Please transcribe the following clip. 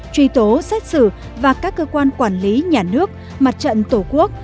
truy tố xét xử và các cơ quan quản lý nhà nước mặt trận tổ quốc